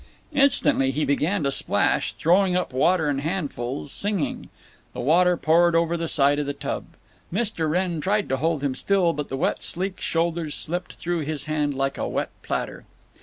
Instantly he began to splash, throwing up water in handfuls, singing. The water poured over the side of the tub. Mr. Wrenn tried to hold him still, but the wet sleek shoulders slipped through his hand like a wet platter.